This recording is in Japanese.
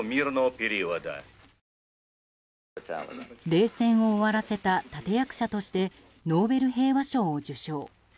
冷戦を終わらせた立役者としてノーベル平和賞を受賞。